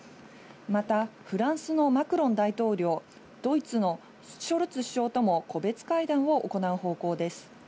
またフランスのマクロン大統領、ドイツのショルツ首相とも個別会談を行う方向です。